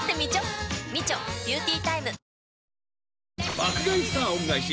「爆買い☆スター恩返し」